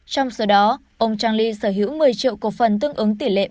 trong số đó ông trang ly sở hữu một mươi triệu cổ phần tương ứng tỷ lệ bốn mươi